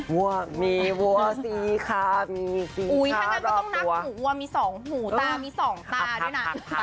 หัวมีหัวสี่คาวัวอย่างงี้เป็นงาน